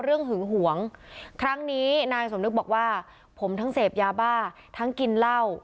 หึงหวงครั้งนี้นายสมนึกบอกว่าผมทั้งเสพยาบ้าทั้งกินเหล้า